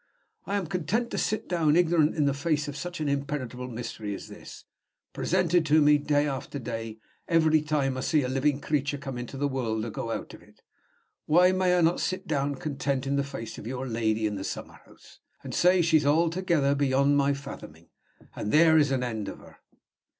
If I am content to sit down ignorant in the face of such an impenetrable mystery as this presented to me, day after day, every time I see a living creature come into the world or go out of it why may I not sit down content in the face of your lady in the summer house, and say she's altogether beyond my fathoming, and there is an end of her?"